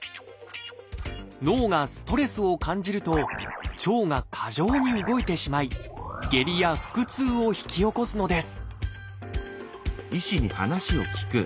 脳がストレスを感じると腸が過剰に動いてしまい下痢や腹痛を引き起こすのです